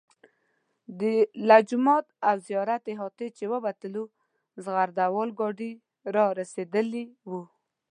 له جومات او زیارت احاطې چې ووتلو زغره وال ګاډي را رسېدلي وو.